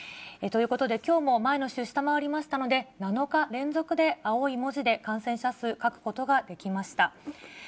ということで、きょうも前の週、下回りましたので、７日連続で青い文字で感染者数書くことができました。